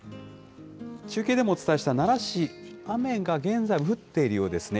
中継でもお伝えした奈良市、雨が現在、降っているようですね。